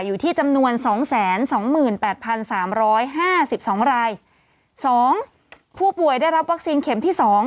อยู่ที่จำนวนสองแสนสองหมื่นแปดพันสามร้อยห้าสิบสองรายสองผู้ป่วยได้รับวัคซีนเข็มที่สอง